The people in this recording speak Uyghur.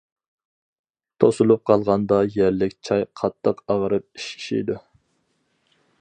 توسۇلۇپ قالغاندا يەرلىك جاي قاتتىق ئاغرىپ ئىششىيدۇ.